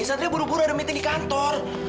misalnya buru buru ada meeting di kantor